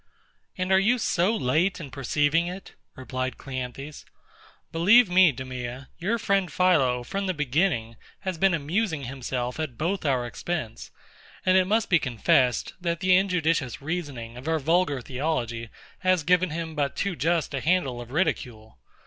And are you so late in perceiving it? replied CLEANTHES. Believe me, DEMEA, your friend PHILO, from the beginning, has been amusing himself at both our expense; and it must be confessed, that the injudicious reasoning of our vulgar theology has given him but too just a handle of ridicule.